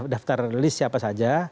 daftar rilis siapa saja